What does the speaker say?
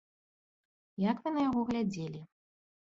Як вы на яго глядзелі?